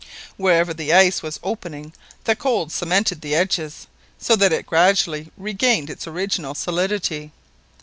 Wherever the ice was opening the cold cemented the edges, so that it gradually regained its original solidity.